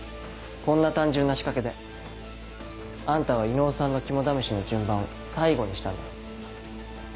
こんな単純な仕掛けであんたは伊能さんの肝試しの順番を最後にしたんだ。